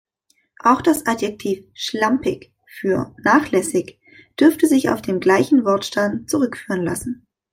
Auch das Adjektiv „schlampig“ für „nachlässig“ dürfte sich auf den gleichen Wortstamm zurückführen lassen.